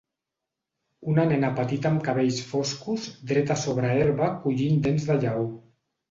Una nena petita amb cabells foscos dreta sobre herba collint dents de lleó.